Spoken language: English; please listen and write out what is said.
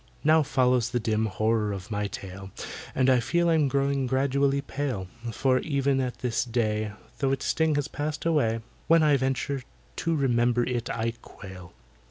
Now follows the dim horror of my tale, And I feel I'm growing gradually pale, For, even at this day, Though its sting has passed away, When I venture to remember it, I quail!